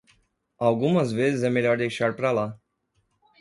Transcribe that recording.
Algumas vezes é melhor deixar pra lá.